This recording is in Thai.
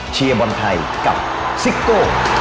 เชียร์บอลไทยกับซิโก้